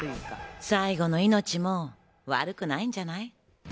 最後の命も悪くないんじゃない？